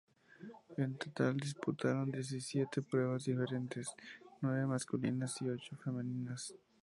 En total se disputaron diecisiete pruebas diferentes, nueve masculinas y ocho femeninas.